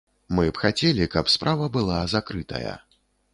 Мы б хацелі, каб справа была закрытая.